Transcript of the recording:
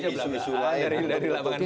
dari lapangan bank